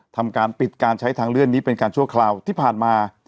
ทำการปิดการใช้ทางเลื่อนนี้เป็นการชั่วคราวที่ผ่านมา